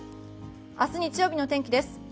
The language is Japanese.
明日、日曜日の天気です。